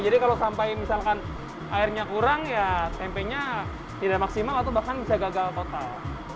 jadi kalau sampai misalkan airnya kurang ya tempenya tidak maksimal atau bahkan bisa gagal total